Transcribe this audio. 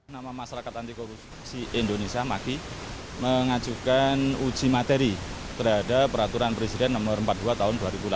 nama masyarakat anti korupsi indonesia maki mengajukan uji materi terhadap peraturan presiden nomor empat puluh dua tahun dua ribu delapan belas